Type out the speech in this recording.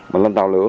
mình lên tàu lửa